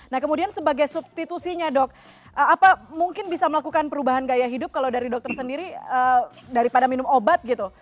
nah kemudian sebagai substitusinya dok apa mungkin bisa melakukan perubahan gaya hidup kalau dari dokter sendiri daripada minum obat gitu